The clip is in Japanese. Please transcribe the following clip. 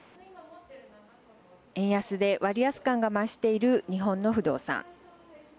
円安で割安感が増している日本の不動産。